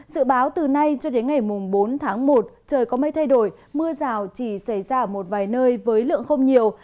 dự báo từ nay cho đến ngày bốn tháng một trời có mây thay đổi mưa rào chỉ xảy ra ở một vài nơi với lượng không nhiều